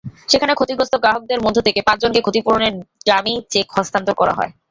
সেখানে ক্ষতিগ্রস্ত গ্রাহকদের মধ্য থেকে পাঁচজনকে ক্ষতিপূরণের ডামি চেক হস্তান্তর করা হয়।